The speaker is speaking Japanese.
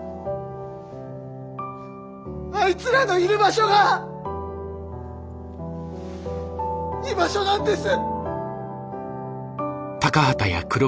あいつらのいる場所が居場所なんです。